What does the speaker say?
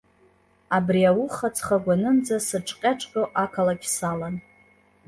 Абри ауха ҵхагәанынӡа сыҿҟьаҿҟьо ақалақь салан.